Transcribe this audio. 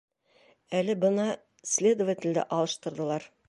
Әле бына следователде алыштырҙылар.